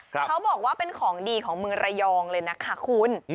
เขาบอกว่าเป็นของดีของเมืองระยองเลยนะคะคุณ